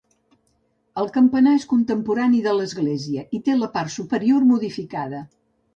El campanar és contemporani de l'església i té la part superior modificada.